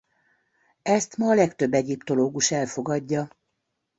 Ezt ma a legtöbb egyiptológus elfogadja.